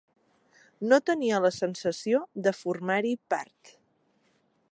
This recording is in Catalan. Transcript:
No tenia la sensació de formar-hi part.